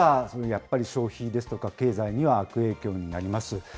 やっぱり、消費ですとか経済には悪影響になります。